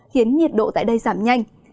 khiến nhiệt độ tại đây giảm nhanh